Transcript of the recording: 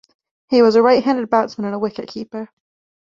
He was a right-handed batsman and a wicket-keeper.